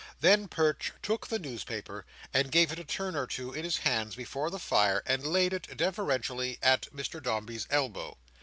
Then Perch took the newspaper, and gave it a turn or two in his hands before the fire, and laid it, deferentially, at Mr Dombey's elbow.